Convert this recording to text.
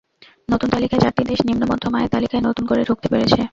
নতুন তালিকায় চারটি দেশ নিম্ন মধ্যম আয়ের তালিকায় নতুন করে ঢুকতে পেরেছে।